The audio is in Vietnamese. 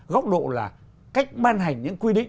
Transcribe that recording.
góc độ là cách ban hành những quy định